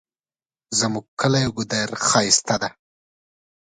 زمونږ کلی ګودر ښایسته ده